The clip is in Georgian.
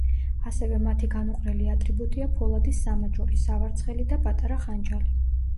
ასევე მათი განუყრელი ატრიბუტია ფოლადის სამაჯური, სავარცხელი და პატარა ხანჯალი.